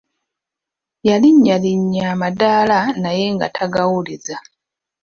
Yalinnyalinya amadaala naye nga tagawuliza.